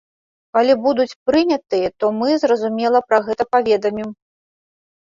Калі будуць прынятыя, то мы, зразумела, пра гэта паведамім.